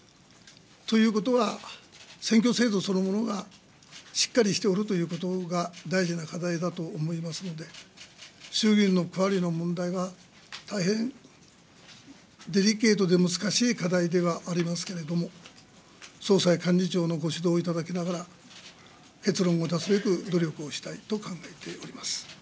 ということは、選挙制度そのものがしっかりしておるということが大事な課題だと思いますので、衆議院の区割りの問題は、大変デリケートで難しい課題ではありますけれども、総裁、幹事長のご指導を頂きながら、結論を出すべく努力をしたいと考えております。